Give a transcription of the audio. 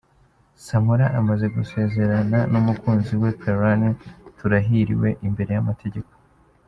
Samora amaze gusezerana n'umukunzi we Pelan Turahiriwe imbere y'amategeko.